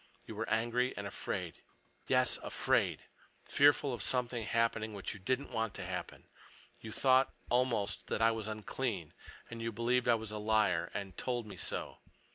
You were angry and afraid. Yes, afraid—fearful of something happening which you didn't want to happen. You thought, almost, that I was unclean. And you believed I was a liar, and told me so.